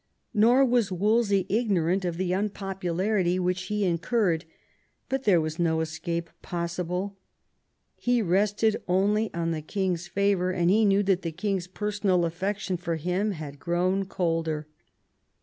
Nor was Wolsey ignorant of the impopularity which he incurred ; but there was no escape possible. He rested only on the king^s favour, and he knew that the king's personal affec tion for him had grown colder.